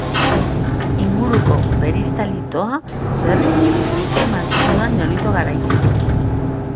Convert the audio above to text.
Inguruko peristalitoa, berriz, bikain mantendu da neolito garaitik.